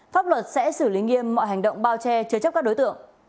pháp luật sẽ xử lý nghiêm mọi hành động bao che chứa chấp các đối tượng